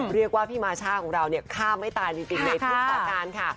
เรียกว่าพี่มาช่าของเราเนี่ยฆ่าไม่ตายจริงในทุกสาการค่ะ